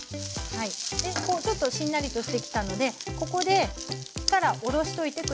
でちょっとしんなりとしてきたのでここで火から下ろしといて下さい。